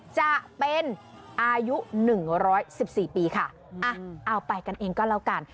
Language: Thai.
จะเป็นอายุหนึ่งร้อยสิบสี่ปีค่ะอ่ะเอาไปกันเองก็แล้วกัน